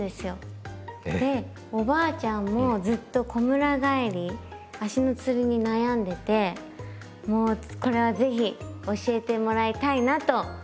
えっ⁉でおばあちゃんもずっとこむら返り足のつりに悩んでてもうこれは是非教えてもらいたいなと思っておりました。